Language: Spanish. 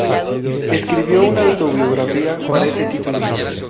Escribió una autobiografía por ese título.